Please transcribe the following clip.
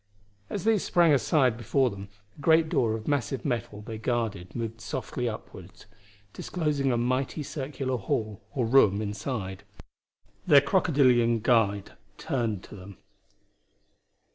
As these sprang aside before them, a great door of massive metal they guarded moved softly upward, disclosing a mighty circular hall or room inside. Their crocodilian guide turned to them.